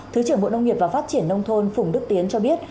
thứ trưởng bộ nông nghiệp và phát triển nông thôn phùng đức tiến cho biết